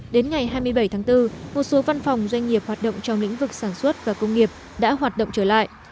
đến ngày hai mươi bảy tháng bốn một số văn phòng doanh nghiệp hoạt động trong lĩnh vực sản xuất và công nghiệp đã hoạt động trở lại